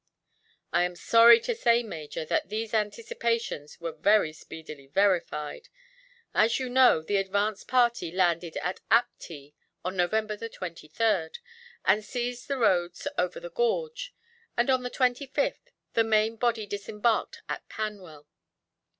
"I am sorry to say, Major, that these anticipations were very speedily verified. As you know, the advance party landed at Aptee, on November 23rd, and seized the roads over the gorge; and on the 25th the main body disembarked at Panwell.